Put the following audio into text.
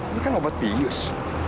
ini kan obat bius